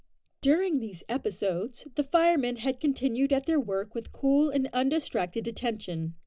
During these episodes, the firemen had continued at their work with cool and undistracted attention.